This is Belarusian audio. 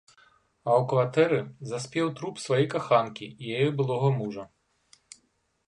А ў кватэры заспеў труп сваёй каханкі і яе былога мужа.